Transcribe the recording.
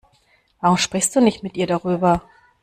Warum sprichst du nicht mit ihr darüber?